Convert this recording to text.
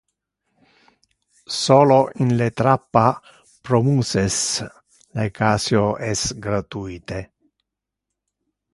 Solo in le trappa pro muses, le caseo es gratuite!